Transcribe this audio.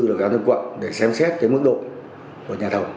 và các ngân quận để xem xét cái mức độ của nhà thầu